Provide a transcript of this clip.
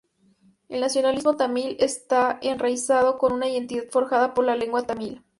El nacionalismo tamil está enraizado en una identidad forjada por la lengua tamil.